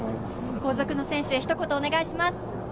後続の選手へひと言お願いします。